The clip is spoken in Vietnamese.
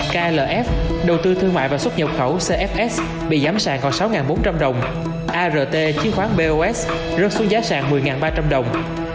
klf đầu tư thương mại và xuất nhập khẩu cfs bị giảm sàng còn sáu bốn trăm linh đồng art chiếc khoáng bos rớt xuống giá sàng một mươi ba trăm linh đồng